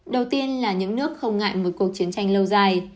đầu tiên là những nước không ngại một cuộc chiến tranh lâu dài